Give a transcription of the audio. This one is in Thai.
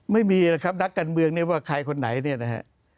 ไม่มีนะครับนักการเมืองเนี่ยว่าใครคนไหนเนี่ยนะฮะ